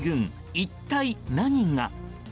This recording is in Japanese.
一体何が？